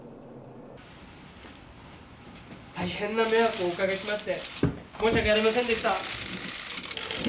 大変な迷惑をおかけしまして、申し訳ありませんでした。